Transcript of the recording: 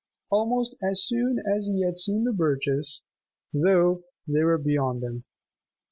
Almost as soon as he had seen the birches, though, they were beyond them.